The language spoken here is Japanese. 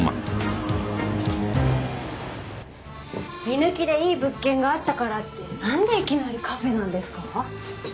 居抜きでいい物件があったからってなんでいきなりカフェなんですか？